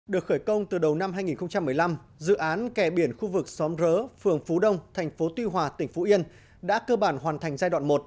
được khởi công từ đầu năm hai nghìn một mươi năm dự án kè biển khu vực xóm rỡ phường phú đông thành phố tuy hòa tỉnh phú yên đã cơ bản hoàn thành giai đoạn một